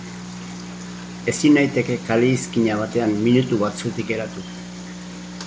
Ezin naiteke kale-izkina batean minutu bat zutik geratu.